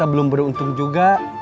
belum beruntung juga